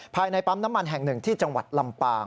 ภายในปั๊มน้ำมันแห่งหนึ่งที่จังหวัดลำปาง